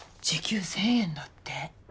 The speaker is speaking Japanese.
時給１，０００円だって。